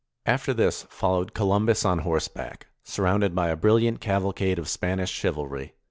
After this, followed Columbus on horseback, surrounded by a brilliant caval cade of Spanish chivalry.